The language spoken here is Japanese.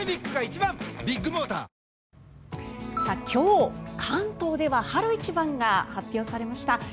今日、関東では春一番が発表されました。